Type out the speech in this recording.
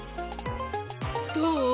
どう？